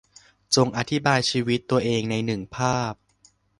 จงอธิบายชีวิตตัวเองในหนึ่งภาพ